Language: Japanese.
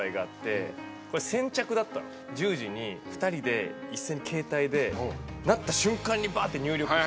１０時に２人で一斉に携帯でなった瞬間にバッて入力して先着。